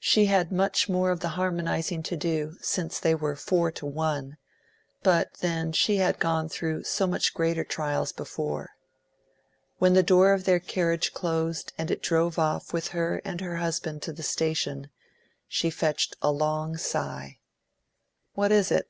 She had much more of the harmonising to do, since they were four to one; but then she had gone through so much greater trials before. When the door of their carriage closed and it drove off with her and her husband to the station, she fetched a long sigh. "What is it?"